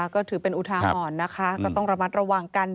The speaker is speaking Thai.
ก็ถือเป็นอุทาหรณ์นะคะก็ต้องระมัดระวังกัน